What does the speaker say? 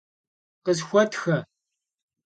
Khısxuetxe!